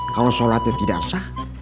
kalau sholatnya tidak sah